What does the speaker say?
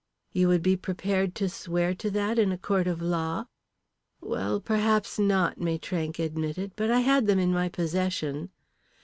"You would be prepared to swear that in a court of law?" "Well, perhaps not," Maitrank admitted. "But I had them in my possession."